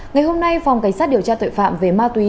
ngày hôm nay phòng cảnh sát điều tra tội phạm về ma túy